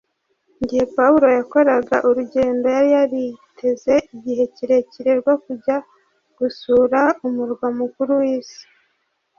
Igihe Pawulo yakoraga urugendo yari yariteze igihe kirekire rwo kujya gusura Umurwa mukuru w’isi